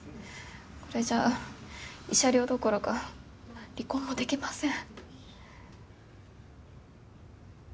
これじゃあ慰謝料どころか離婚もできません。